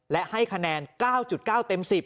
และให้คะแนน๙๙เต็ม๑๐